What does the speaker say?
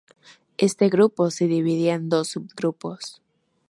Este grupo se dividía en dos subgrupos.